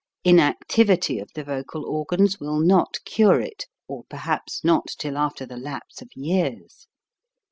Inactivity of the vocal organs will not cure it, or perhaps not till after the lapse of years.